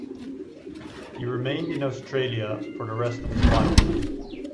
He remained in Australia for the rest of his life.